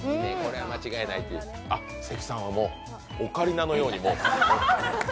関さんはもうオカリナのように。